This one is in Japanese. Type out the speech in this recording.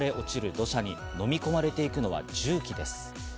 土砂に飲み込まれていくのは重機です。